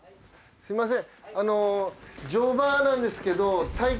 すみません。